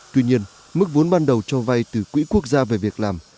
tuy nhiên mức vốn ban đầu cho vay từ quỹ quốc gia về việc làm